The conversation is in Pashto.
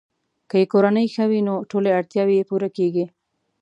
که یې کورنۍ ښه وي، نو ټولې اړتیاوې یې پوره کیږي.